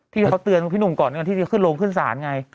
ที่เขาเตือนพี่หนุ่มก่อนที่จะขึ้นโรงขึ้นศาลไง